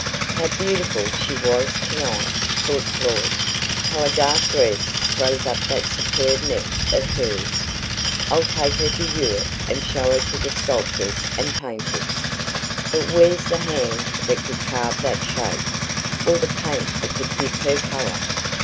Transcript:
"How beautiful she was tonight!" thought Claud. "How a dark dress throws up that superb neck of hers! I'll take her to Europe, and show her to the sculptors and painters; but where's the hand that could carve that shape, or the paint that could give her colour?